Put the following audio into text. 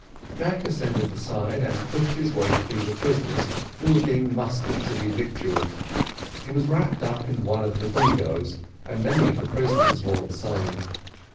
Jack ascended the side, and pushed his way through the prisoners, who were being mustered to be victualled. He was wrapped up in one of the gregos, and many of the prisoners wore the same.